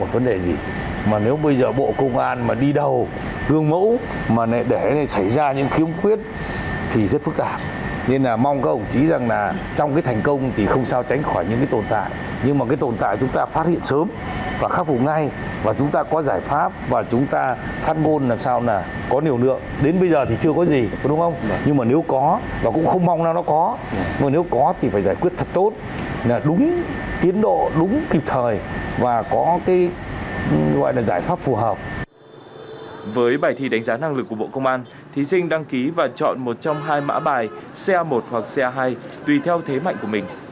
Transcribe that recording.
với bài thi đánh giá năng lực của bộ công an thí sinh đăng ký và chọn một trong hai mã bài ca một hoặc ca hai tùy theo thế mạnh của mình